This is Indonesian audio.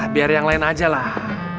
biar yang lain aja lah